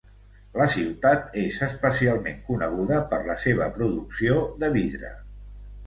La ciutat és especialment coneguda per la seva producció de vidre.